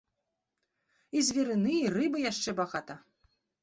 І зверыны і рыбы яшчэ багата.